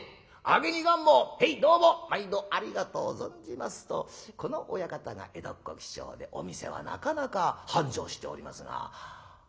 揚げにがんもへいどうも毎度ありがとう存じます」とこの親方が江戸っ子気性でお店はなかなか繁盛しておりますが。